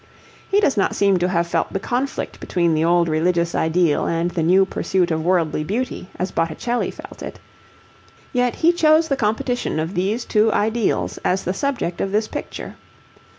He does not seem to have felt the conflict between the old religious ideal and the new pursuit of worldly beauty as Botticelli felt it. Yet he chose the competition of these two ideals as the subject of this picture.